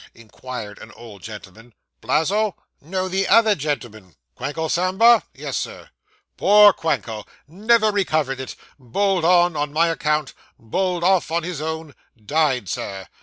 inquired an old gentleman. 'Blazo?' 'No the other gentleman.' Quanko Samba?' 'Yes, sir.' 'Poor Quanko never recovered it bowled on, on my account bowled off, on his own died, sir.